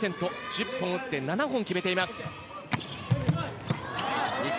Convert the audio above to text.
１０本打って７本決まっています。